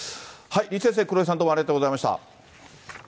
李先生、黒井さん、どうもありがとうございました。